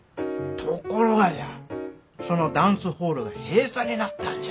ところがじゃそのダンスホールが閉鎖になったんじゃ。